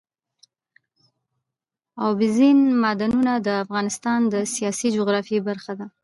اوبزین معدنونه د افغانستان د سیاسي جغرافیه برخه ده.